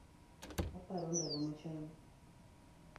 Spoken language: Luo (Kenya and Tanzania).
Aparo ndalo machon